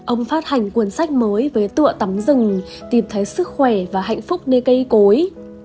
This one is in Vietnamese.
ông phát hành cuốn sách mới với tựa tắm rừng tìm thấy sức khỏe và hạnh phúc nơi cây cối